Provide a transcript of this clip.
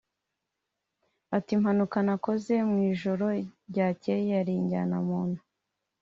Ati “Impanuka nakoze mu ijoro ryakeye yari injyanamuntu